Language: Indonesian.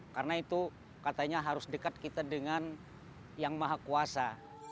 karena itu katanya harus dekat kita dengan yang maha kuasa